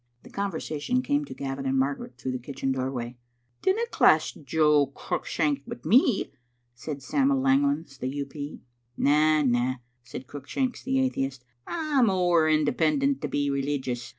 The conversation came to Gavin and Margaret through the kitchen doorway. "Dinna class Jo Cruickshanks wi' me," said Sam'l Langlands the U. P. "Na, na," said Cruickshanks the atheist, "I'm ower independent to be religious.